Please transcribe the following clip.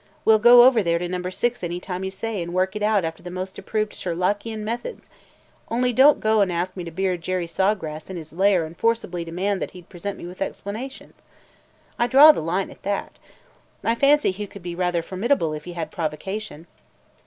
We 'll go over there to Number Six any time you say and work it out after the most approved Sherlockian methods, only don't ask me to go and beard Jerry Saw Grass in his lair and forcibly demand that he present me with explanations! I draw the line at that. I fancy he could be rather formidable if he had provocation!"